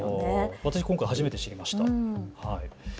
わたし、今回初めて知りました。